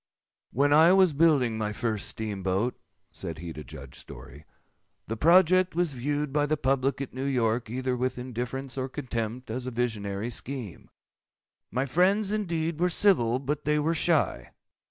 "When I was building my first steam boat," said he to Judge Story, "the project was viewed by the public at New York either with indifference or contempt, as a visionary scheme. My friends, indeed, were civil, but they were shy.